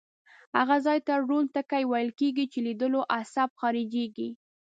هغه ځای ته ړوند ټکی ویل کیږي چې لیدلو عصب خارجیږي.